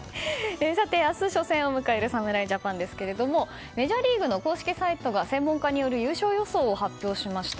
さて、明日初戦を迎える侍ジャパンですがメジャーリーグの公式サイトが専門家による優勝予想を発表しました。